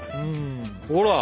ほら。